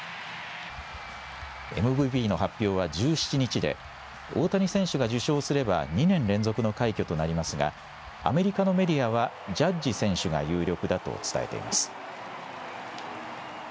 ＭＶＰの発表は１７日で、大谷選手が受賞すれば、２年連続の快挙となりますが、アメリカのメディアは、ジャッジ選手が有力だと伝えています。